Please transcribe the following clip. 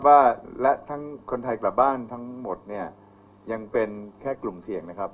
ว่าและทั้งคนไทยกลับบ้านทั้งหมดเนี่ยยังเป็นแค่กลุ่มเสี่ยงนะครับ